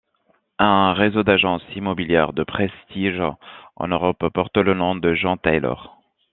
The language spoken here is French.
Un réseau d'agences immobilières de prestige en Europe porte le nom de John Taylor.